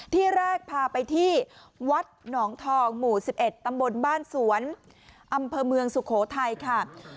ที่แรกพาไปที่วัดหนองทองหมู่๑๑ตำบลบ้านสวนอำเภอเมืองสุโขทัยค่ะ